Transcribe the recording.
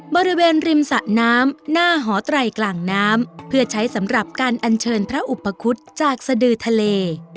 บริเวณริมสะน้ำหน้าหอไตรกลางน้ำเพื่อใช้สำหรับการอัญเชิญพระอุปคุฎจากสดือทะเล